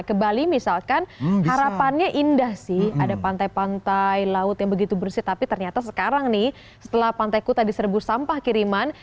ke bali misalkan harapannya indah sih ada pantai pantai laut yang begitu bersih tapi ternyata sekarang nih setelah pantai kuta diserbu sampah kiriman